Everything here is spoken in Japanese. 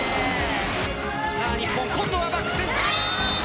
日本、今度はバックセンター。